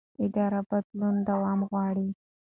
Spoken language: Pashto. اداري بدلون دوام غواړي